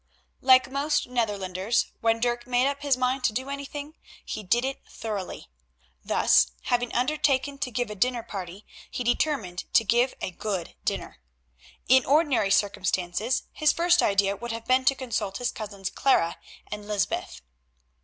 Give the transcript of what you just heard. Like most Netherlanders, when Dirk made up his mind to do anything he did it thoroughly. Thus, having undertaken to give a dinner party, he determined to give a good dinner. In ordinary circumstances his first idea would have been to consult his cousins, Clara and Lysbeth.